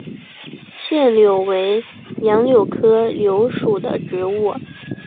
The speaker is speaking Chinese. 腺柳为杨柳科柳属的植物。